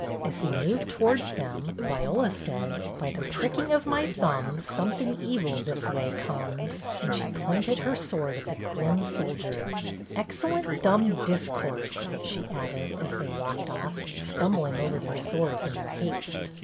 As he moved towards them Viola said, —" By the pricking of my thumbs, something evil this way comes;" and she pointed her THE MAS(^ERADE 247 sword at the grim soldier. " Excellent dumb discourse," she added, as they walked off, stumbling over their swords in their haste.